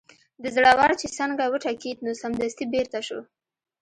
د زړه ور چې څنګه وټکېد نو سمدستي بېرته شو.